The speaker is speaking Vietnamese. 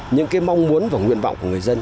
những cái mong muốn và nguyện vọng của người dân